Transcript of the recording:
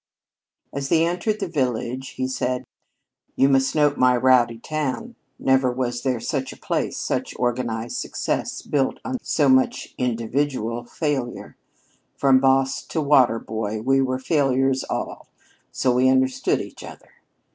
As they entered the village, he said: "You must note my rowdy town. Never was there such a place such organized success built on so much individual failure. From boss to water boy we were failures all; so we understood each other.